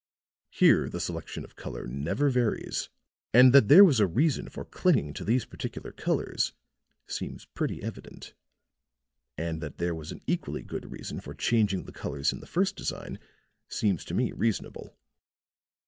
Here the selection of colors never varies, and that there was a reason for clinging to these particular colors seems pretty evident. And that there was an equally good reason for changing the colors in the first design seems to me reasonable."